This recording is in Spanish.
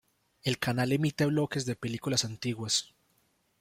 El canal emite bloques de películas antiguas.